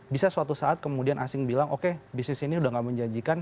bisa suatu saat kemudian asing bilang oke bisnis ini udah gak menjanjikan